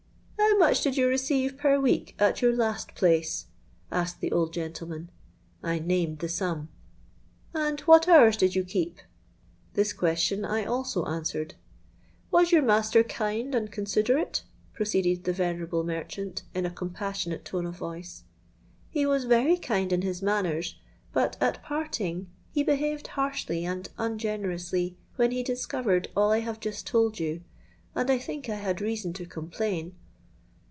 'How much did you receive per week at your last place?' asked the old gentleman.—I named the sum.—'And what hours did you keep?'—This question I also answered.—'Was your master kind and considerate?' proceeded the venerable merchant, in a compassionate tone of voice.—'He was very kind in his manners; but at parting he behaved harshly and ungenerously, when he discovered all I have just told you; and I think I had reason to complain.'